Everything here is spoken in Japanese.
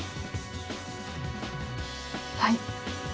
はい。